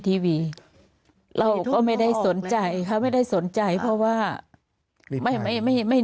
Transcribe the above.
ทีวีเราก็ไม่ได้สนใจเขาไม่ได้สนใจเพราะว่าไม่ไม่ไม่